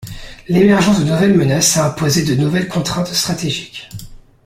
L'émergence de nouvelles menaces a imposé de nouvelles contraintes stratégiques.